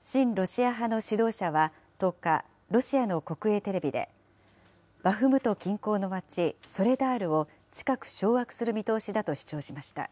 親ロシア派の指導者は１０日、ロシアの国営テレビで、バフムト近郊の町、ソレダールを近く掌握する見通しだと主張しました。